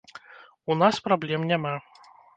У нас праблем няма.